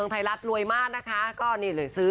คนที่เขาพร้อมเขาต้องเห็นตรงนี้อยู่แล้ว